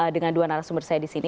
dengan dua narasumber saya di sini